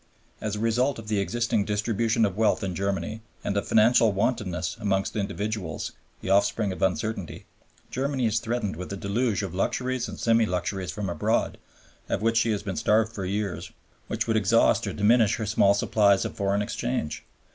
As a result of the existing distribution of wealth in Germany, and of financial wantonness amongst individuals, the offspring of uncertainty, Germany is threatened with a deluge of luxuries and semi luxuries from abroad, of which she has been starved for years, which would exhaust or diminish her small supplies of foreign exchange.